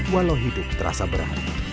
walau hidup terasa berat